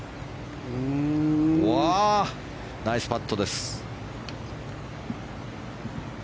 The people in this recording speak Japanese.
ナイスパットです。